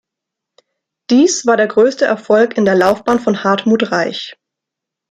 Dies war der größte Erfolg in der Laufbahn von Hartmut Reich.